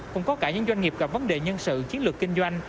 cũng có cả những doanh nghiệp gặp vấn đề nhân sự chiến lược kinh doanh